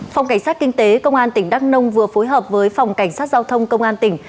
phòng cảnh sát kinh tế công an tỉnh đắk nông vừa phối hợp với phòng cảnh sát giao thông công an tỉnh